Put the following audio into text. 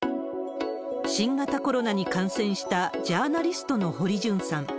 新型コロナに感染したジャーナリストの堀潤さん。